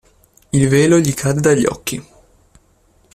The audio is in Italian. Il velo gli cade dagli occhi.